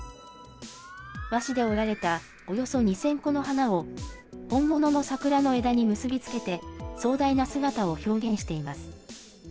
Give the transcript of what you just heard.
和紙で折られたおよそ２０００個の花を本物の桜の枝に結び付けて、壮大な姿を表現しています。